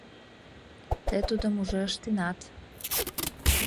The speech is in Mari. — Тый тудым уже ыштенат.